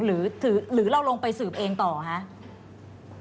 หรือเราลงไปสืบเองต่อคะ